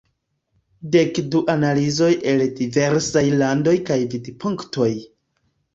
Dek du analizoj el diversaj landoj kaj vidpunktoj".